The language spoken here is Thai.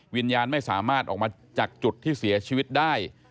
วิญญาณไม่สามารถออกมาจากจุดที่เสียชีวิตได้